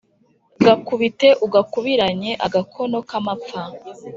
Gakubite ugakubiranye-Agakono k'amapfa.